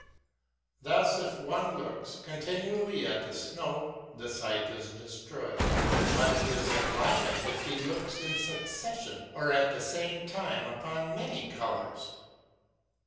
Thus, if one looks continuall}' at the snow the sight is destroyed; but it is enlivened if he looks in succession or at the same time upon many colors.